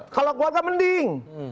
kalau keluarga mending